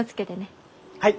はい！